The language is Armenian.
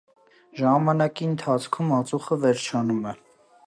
Ժամանակի ընթացքում ածուխը վերջանում է։